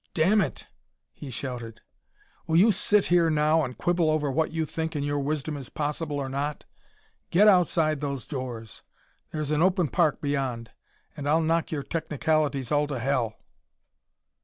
"Damn it!" he shouted, "will you sit here now and quibble over what you think in your wisdom is possible or not. Get outside those doors there's an open park beyond and I'll knock your technicalities all to hell!"